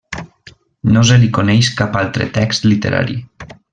No se li coneix cap altre text literari.